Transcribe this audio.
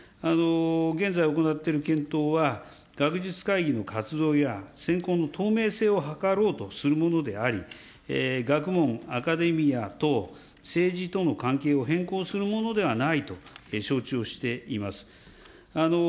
現在行っている検討は、学術会議の活動や、選考の透明性を図ろうとするものであり、学問、アカデミア等政治との関係を変更するものではないと承知をしています。